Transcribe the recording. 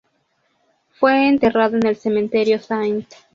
Fue enterrado en el Cementerio St.